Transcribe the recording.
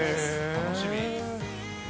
楽しみ。